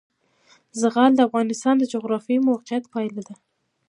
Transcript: زغال د افغانستان د جغرافیایي موقیعت پایله ده.